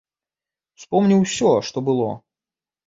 Успомніў усё, што было.